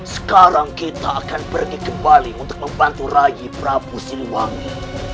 sekarang kita akan pergi kembali untuk membantu raji prabu siliwangi